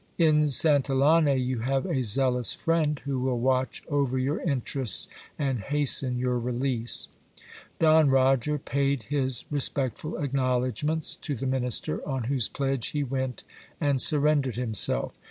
In Santillane you have a zealous friend, who will watch over your interests, and hasten your release. Don Roger paid his respectful acknowledgments to the minister, on whose pledge he went and surrendered himself.